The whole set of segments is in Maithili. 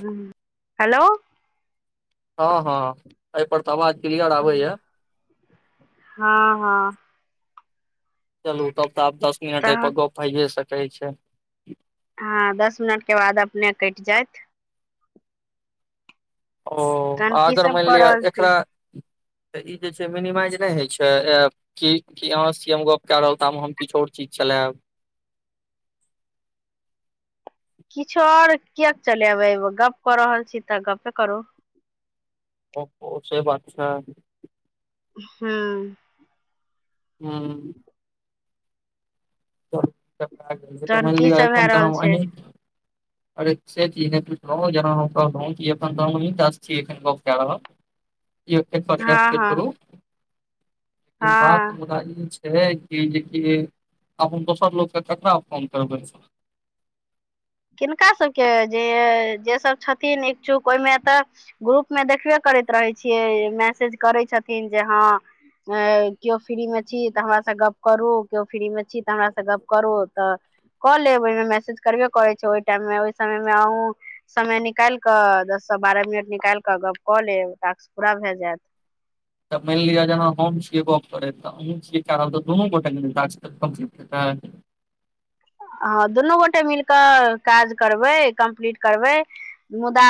हु हेलो हँ हँ अइ पर तऽ आवाज क्लियर आबै या हँ हँ चलू तब तऽ आब दस मिनट एहिपर तहन गप भइए सकैत छै हँ दस मिनटके बाद अपने कटि जायत ओ तहन की आगर सब मानि कऽ लिअ रहल छी एकरा तऽ ई जे छै मिनिमाइज नहि होइ छै की की अहाँ सीएम गप्प कय रहल त हम किछ आओर चीज चलायब किछो आओर किएक चलेबै गप कऽ रहल छी तऽ गपे करू ओ हो से बात छै हूं हूँ [unintelligible] त तहन की मैनलिय सब भए एखन‌ त रहल छै अंही अरे से चीज नहि पुछलहु जेना हम कहलहुं कि एखन त हमही टा छी एखन गप कए हँ हँ लेलौंह [unintelligible] हँ बात मुदा ई छै छेलै कि जेकि आब हम दोसर लोक स ककरा फोन करबै किनका सभके जे जेसभ छथिन इच्छुक ओहिमे तऽ ग्रुप मे देखबे करैत रहै छियै मैसेज करै छथिन जे हँ अ केओ फ्री मे छी तऽ हमरा से गप्प करू केओ फ्री मे छी तऽ हमरा से गप्प करू तऽ कऽ लेबै ओईमे मैसेज करबे करै छै ओहि टाइम मे ओहि समय मे अहूं समय निकालि कऽ दस सँ बारह मिनट निकालि कऽ गप कऽ लेब टास्क पूरा भए जायत तऽ मानि लिअ जेना हम छियै गप करैत तऽ अहूँ छियै कए रहल तऽ दुनू गोटे के ना टास्क कंप्लीट हेतै हँ दुनू गोटे मिल कऽ काज करबै कम्प्लीट करबै मुदा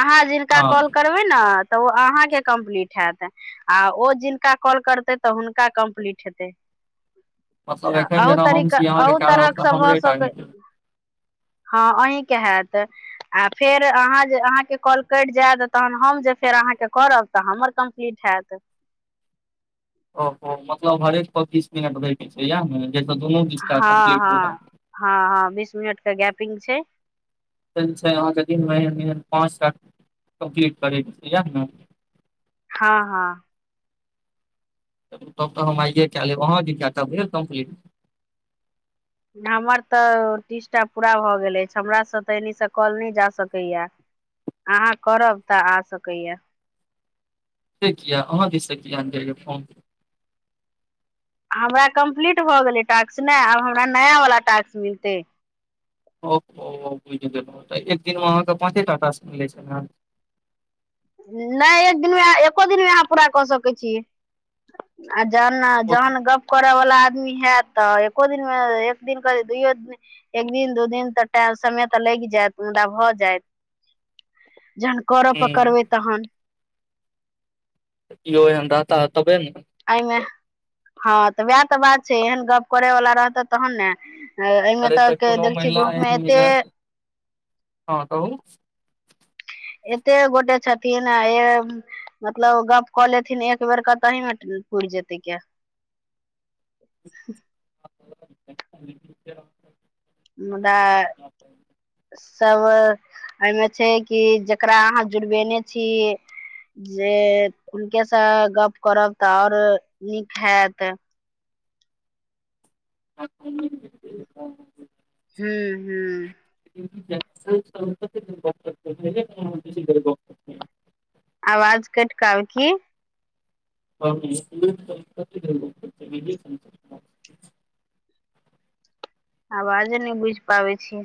आहाँ जिनका हँ कॉल करबै न तऽ ओ अहाँके कम्प्लीट हेयत आ ओ जिनका कॉल करतै तऽ हुनका कम्प्लीट हेतै मतलब एखन जेना [unintelligible] भऽ हम छी अहाँके कए रहल तऽ हमरे टा सकै हेतै हँ अहीं के हयत आ फेर अहाँ जे अहाँके कॉल कटि जायत तहन हम जे फेर अहाँके करब तऽ हमर कम्प्लीट हेयत ओ हो मतलब हरेक पच्चीस मिनट रहके छै इएह ने जे स दुनू दिसका हँ कम्प्लीट हुए हँ हँ हँ बीस मिनट के गैपिंग छै [unintelligible] अहाँके [unintelligible] पाँच टा कम्प्लीट करैके छै इएह ने हँ हँ तब तऽ हम आइये कए लेब अहाँ के काय टा भेल कम्प्लीट हमर तऽ तीसटा पूरा भऽ गेल अछि हमरा स तऽ एनी स कॉल नहि जा सकैया आहाँ करब तऽ आ सकैया से किया अहाँ दिस से किया न जाय या फोन हमरा कम्प्लीट भऽ गेलै टास्क नहि आब हमरा नया वाला टास्क मिलतै ओ हो बुझि गेलहुँ तऽ एक दिनमे अहाँके पाँचे टा टास्क मिलै छै ने नहि एक दिनमे एको दिनमे अहाँ पूरा कऽ सकै छी आ जहन नऽ जहन गप करऽ वाला आदमी हैत तऽ एको दिन मे एक दिन कर दुइयो दिन एक दिन दू दिन तऽ टा समय तऽ लगि जायत मुदा भऽ जायत जहन करऽ हूँ पकड़बै तहन कियो एहन [unintelligible] ने अई मे हँ तऽ वएह तऽ बात छै एहन गप करै वला रहतै तहन ने अइ मे अरे तऽ के कोनो देख छी महिला ग्रुप मे एते हं कहु एते गोटे छथिन मतलब गप कऽ लेथिन एक बेर क ताहि मे पूरि जेतै के [inaudible] मुदा सब एहिमे छै कि जकरा अहाँ जुड़बेने छी जे हुनके से गप करब तऽ आओर नीक हेयत [unintelligible] हूं हूं [unintelligible] आवाज कैट क आवे की [unintelligible] आवाजे नै बुझि पाबै छिय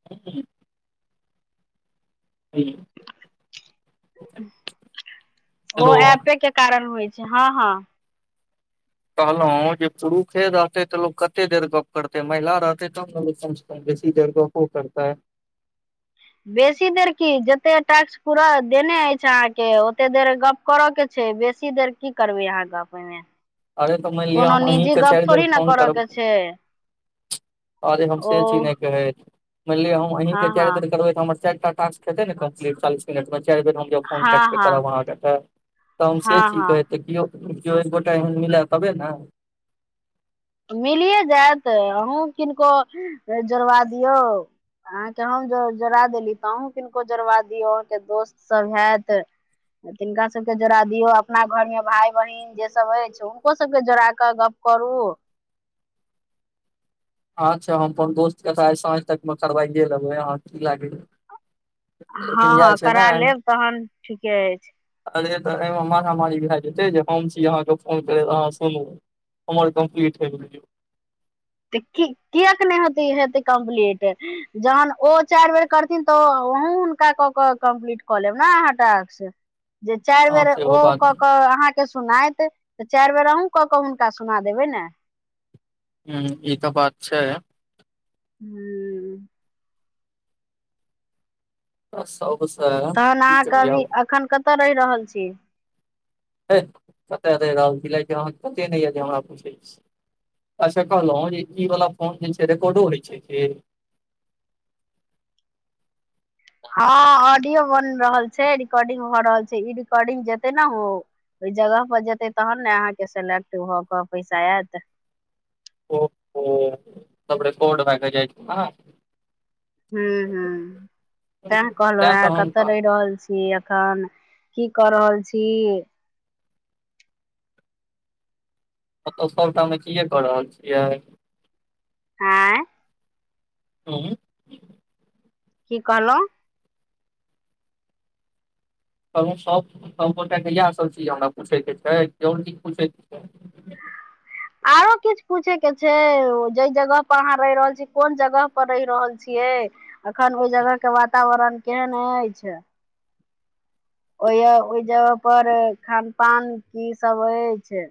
[unintelligible] हूं ओ ऐपे के कारण होइ छै हँ हँ कहलौं जे पुरुखे रहतै तऽ लोक कते देर गप करतै महिला रहतै तब न लोक कमसँ कम बेसी देर गप ओ करतै बेसी देर की जते टैक्स पूरा देने अछि अहाँके ओते देर गप करऽ के छै बेसी देर की करबै अहाँ गप अईमे अरे तऽ मानि लिअ कोनो हम निजी अहींके गप चारि बेर थोड़हि न फोन करऽ करब के छै अरे हम ओ से चीज नै कहै मैन लिअ हम अहीं के हँ हँ [unintelligible] हमर चैर तक टास्क हेते ने कम्लीट चालीस मिनट पर चारि बेर हम जे फोन हँ काटि के हँ करब अहाँके तऽ तऽ हम से हँ छी हँ कहै त केओ केओ एक गोटा एहन मिलय तबे न मिलिए जायत अहूँ किनको जोड़वा दियौ अहाँके हम जोड़ा देली तऽ अहूँ किनको जोड़बा दियौ अहाँके दोस्तसभ हेयत तिनका सबके जोड़ा दियौ अपना घर में भाय बहिन जे सब होय छै हुनको सबके जोड़ा क गप करू अच्छा हम अपन दोस्त के त आइ साँझ तक मे करवाए लेबै अहाँ की लागैया हँ हँ करा एहिमे, लेब तहन ठीके अछि अरे तऽ एहिमे मारामारी भए जेतै जे हम छी अहाँके फोन करैत अहाँ सुनू हमर कम्प्लीट होइ गेलौ त कि कियाक नै होतै हेतै कम्पलीट जहन ओ चारि बेर करथिन तऽ अहूं हुनका कऽ क कम्प्लीट कऽ लेब ने अहाँ टास्क जे चारि अहाँ बेर सेहो ओ बात कऽ क आहाँ के सुनाति तऽ चारि बेर अहूँ कऽ के हुनका सुना देबै ने हूं ई तऽ बात छै हूं ब [unintelligible] तहन अहाँक अभी अखन कतऽ रहि रहल छी है कतै रैह रहल छी कैलाकी आहा के पत्ते नय यह कि हमरा पुछै छी अच्छा कहलौं जे ई वाला फोन जे छै रिकॉडो होइ छै कि हँ ऑडियो बन रहल छै रिकॉर्डिंग भ रहल छै ई रिकर्डिंग जेते ने ओ ओई जगह पर जेतै तहन ने अहाँके सेलेक्ट भऽ के पैसा आयत ओ हो तब रिकॉर्ड भऽ कऽ जाइ छै हूं हूं तें कहलौं तैं हे तऽ हम कतए रहि रहल छी अखन की कऽ रहल छी ओ तऽ सभटा मे अथिये कऽ रहल छियै आँई हूं की कहलौं कहलौं सब सब गोटा के इएह सब चीज हमरा पूछै के छै आओर किछ पूछै के छै आरो किछ पूछे के छै जहि जगह पर अहाँ रहि रहल छियै कोन जगह पर रहि रहल छियै एखन ओहि जगह के वातावरण केहन अछि ओय ओहि जगह पर खान पान की सब अछि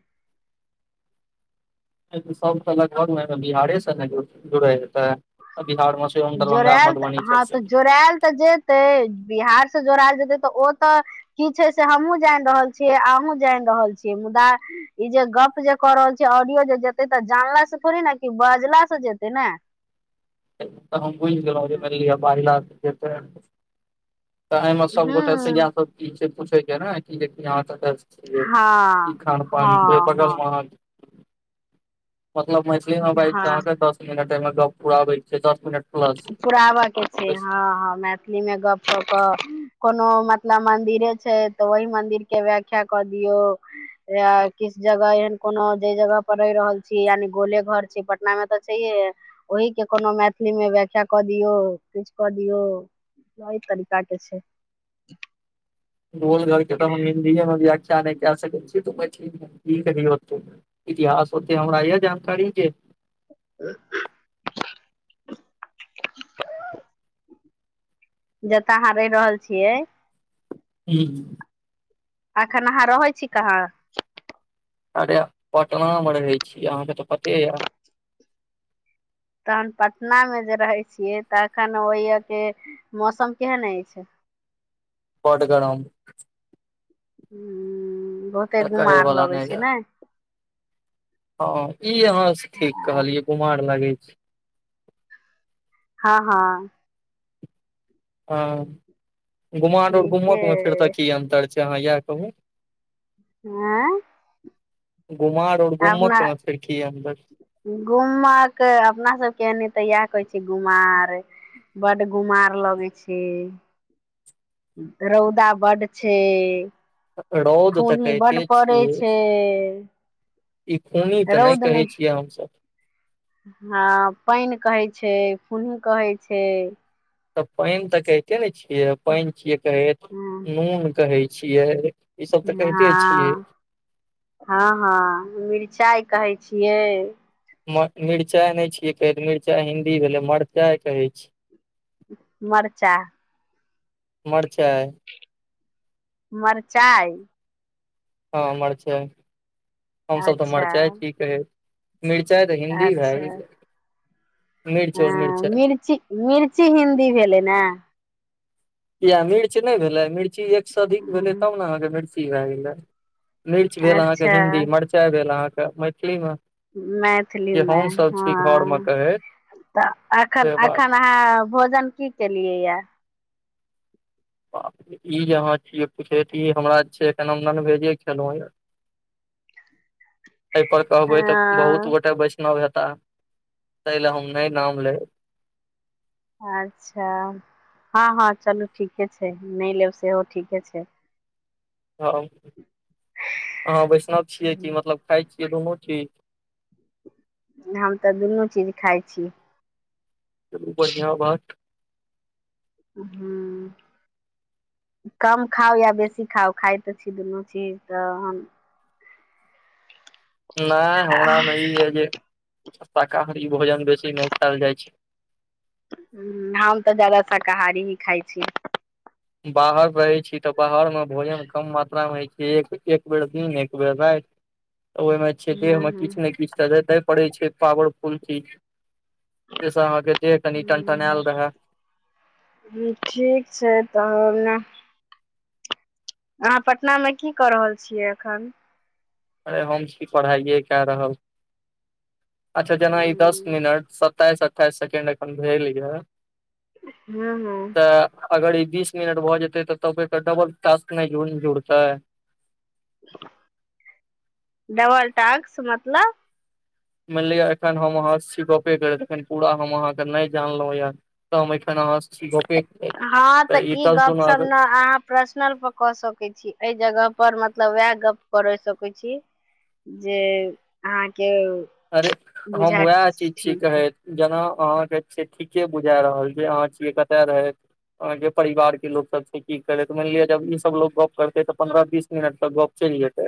सब लगभग बिहारे से ने जुड़ै हेतै बिहारमे सेहो दरभंगा जोड़ेल मधुबनी हँ सब से तऽ जोड़यल तऽ जे तै बिहार सँ जोड़यल जेतै तऽ ओ तऽ की छै से हमहूँ जानि रहल छियै अहहुँ जानि रहल छियै मुदा ई जे गप जे क रहल छी ऑडियो जे जेते तऽ जानला से थोड़े ने कि बाजला से जेते ने तऽ हम भूइल गेलहुँं मैन लिय बाजला से जेतै तऽ एहि मे सब गोटा से हूँ इएह सब चीज छै पूछे के ने कि आंहा कतऽ छी छी कि हँ खान पान से हँ हँ बगल [unintelligible] मतलब मैथिली मे बाईज हँ कऽ अहाँके दस मिनट अई मे गप पुराबै छै दस मिनट प्लस पुराबऽ के छै हँ हँ मैथिलीमे गप कऽ क कोनो मतलब मन्दिरे छै तऽ ओहि मंदिर के व्याख्या कऽ दियौ या किस जगह एहन कोनो जे जगह पर रहि रहल छी यानि गोले घर छै पटना मे तऽ छैहे ओहि के कोनो मैथिली मे व् याख्या कऽ दियौ किछ कऽ दियौ इ तरीका के छै गोल घर के तऽ हम [unintelligible] [unintelligible] इतिहास होते हमरा अइ जानकारी जे ह [unintelligible] जत आंहा रहि रहल छियै ह्म अखन अहाँ रहै छी कहाँ अरे पटना मे रहै छी अहाँके तऽ पते यऽ तहन पटना मे जे रहै छियै तखन ओहिय के मौसम केहन अछि बड गरम हू बहुते तऽ कहै गुमार वला लगै नहि छै यऽ नय हँ ई अहाँ से ठीक कहलियै बुमार लागै छै हँ हँ हँ ठीके [unintelligible] फेर तऽ अइ की अन्तर छै अहाँ इएह कहू आँ गुमार आओर गुम्मक मे फिर की अन्दर गूमक अपना सबके तऽ एनी इएह कहै छी गुमार बड्ड गुमार लगै छै रौउदा बड छै रौद तऽ फूही बड्ड कहिते पड़ै छियै छै ई खूनी तऽ नहि कहै छियै हमसब हँ पानि कहै छै फुन्हि कहै छै तऽ पानि तऽ कहिते ने छियै पानि छियै कहैत हँ नून कहै छियै ई सब तऽ कहिते छियै हँ हँ हँ मिरचाइ कहै छियै मिरचाइ नहि छियै कहै मिरचाइ हिन्दी भेलै मरचाइ कहै छियै मरचा मरचाइ मरचाइ हँ मरचाइ हमसभ तऽ अच्छा मरचाइ की कहै मिरचाइ तऽ हिन्दी अच्छा भय हँ मिर्ची मिर्ची हिंदी भेलै ने किए मिर्च नहि भेलै मिर्ची एकसँ अधिक भेलै तब ह ने अहाँके मिर्ची भए गेलै मिर्च भेल अहाँके अच्छा हिन्दी मरचाइ भेल अहाँके मैथिलीमे जे मैथिलीमे हमसभ छी घरमे हँ कहैत तऽ एखन से बात एखन अहाँ भोजन की केलियै या बा ई जे आंहा छियै पूछैत इ हमरा छै एखन हम ननभेजे खेलहुं य एहिपर कहबै तऽ बहुत हँ गोटा वैष्णव हेताह ताहि ले हम नै नाम लेब आच्छा हँ हँ चलू ठीके छै नै लेब सेहो ठीके छै हँ अहाँ वैष्णव छियै कि मतलब खाइ छियै दुनू चीज न हम तऽ दुनू चीज खाइ छी चलू बढ़िआँ बात हूं कम खाउ या बेसी खाउ खाइ तऽ छी दुनू चीज तऽ हम नै हमरा में ई अइ जे शाकाहारी भोजन बेसी नहि खायल जाइ छै हू हम तऽ जादा शाकाहारी ही खाइ छी बाहर रहै छी तऽ बाहर मे भोजन कम मात्रा मे एक एक बेर दिन एक बेर रायत तऽ ओहिमे छै ह देहमे किछ ने किछ तऽ देतै पड़ै छै पावरफुल चीज से अहाँके देह कनि ह टंटनेयल रहय ठीक छै तऽ ने आहाँ पटनामे की कऽ रहल छियै अखन अरे हम छी पढ़ाइए कए रहल अच्छा जेना ई दस हूँ मिनट सताइस अठाइस सेकेंड अखन भेल य हू हू तऽ अगर ई बीस मिनट भऽ जेते तऽ तब एकर डबल टास्क नहि जुड़तै डबल टास्क मतलब मानि लिअ एखन हम अहाँ सि गपे करैत एखन पूरा हम अहाँके नहि जानलौं य त हम अखन आंहा सऽ तऽ हँ तऽ ई गप दुना अगर सप न हा प्रर्श्नल पर क सकै छी एहि जगह पर मतलब वएह गप करै सकै छी जे अहाँके अरे हम बुझायत वएह चीज छी ठीक कहति जेना अहाँके छी ठीके बुझा रहल जे अहाँ छियै कतय रहैत आओर अगर परिवार के लोग सब छै की करति मानि लिअ जब ई सब लोग गप करतै ते पंन्द्रह बीस मिनट त गप चलि जेतै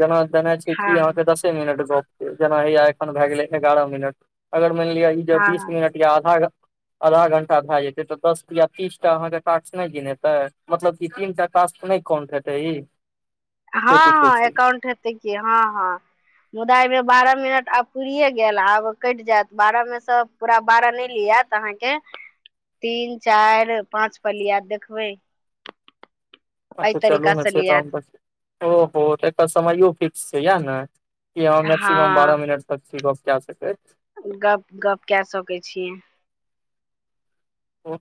जेना तेना छै हँ कि अहाँ के दसे मिनट गप के जेना हैया एखन भए गेलै एगारह मिनट अगर मानि लिअ ई ज हँ बीस हँ मिनट या आधा घंटा आदहा घंटा भए जेतै तऽ दस तीया तीस टा अहाँके टाक्स नहि गिनेतै मतलब क तीन टा टाक्स नहि कौन्ट हेतै ई से हँ पूछै हँ छी एकाउंट हेतै की हँ हँ मुदा अईमे बारह मिनट आब पूरिये गेल आब कटि जायत बारहमे सँ पूरा बारह नहि लियात अहाँके तीन चारि पाँच पलिया देखबै एहि अच्छा चलू तरीका ने से छै त लियात [unintelligible] ओहो तऽ एकर समयो फिक्स छै याह ने कि मैक्सिमम बारह हँ मिनट [unintelligible] छी गप कए सकैत हुनका गप कए सकै छियै ओ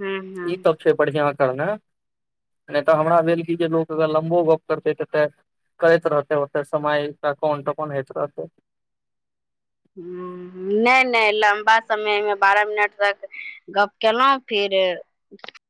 हूँ ई हूँ सब छै बढ़िआँ करनाइ नहि तऽ हमरा भेल कि जे लोक अगर लम्बो गप करतै तऽतेऽ करैत रहतै ओते समय कोन त कोन होइत रहतै हू नहि नहि लम्बा समय मे बारह मिनट तक गप केलौं फिर